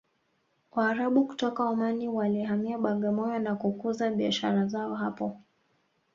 waarabu kutoka omani walihamia bagamoyo na kukuza biashara zao hapo